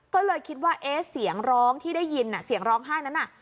ก็เลยคิดว่าเอ๊ะเสียงร้องที่ได้ยินเสียงร้องไห้นั้นน่ะ